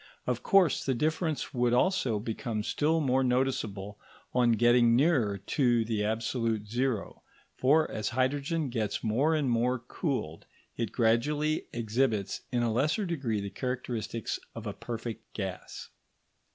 Of course, the difference would also become still more noticeable on getting nearer to the absolute zero; for as hydrogen gets more and more cooled, it gradually exhibits in a lesser degree the characteristics of a perfect gas.